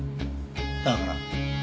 だから？